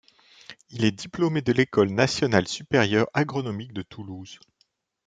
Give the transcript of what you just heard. Il est diplômé de l'École nationale supérieure agronomique de Toulouse.